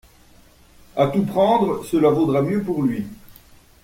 A tout prendre, cela vaudra mieux pour lui.